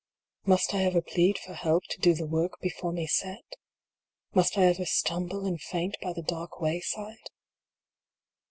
Must I ever plead for help to do the work before me set? Must I ever stumble and faint by the dark wayside?